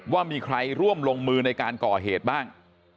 ว่ามีใครร่วมลงมือในการก่อเหตุบ้าง